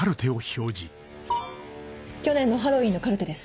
去年のハロウィーンのカルテです。